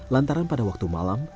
lantaran pada waktu malam